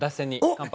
乾杯！